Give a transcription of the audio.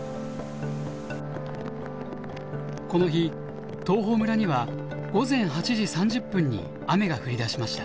この日東峰村には午前８時３０分に雨が降りだしました。